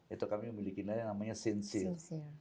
itu kami memiliki nilai yang namanya sinceal